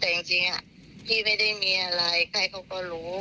แต่จริงพี่ไม่ได้มีอะไรใครเขาก็รู้